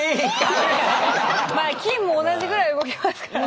まあ金も同じぐらい動きますからね。